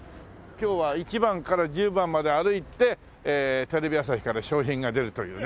今日は一番から十番まで歩いてテレビ朝日から賞品が出るというね。